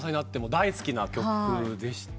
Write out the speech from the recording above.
大好きな曲でして。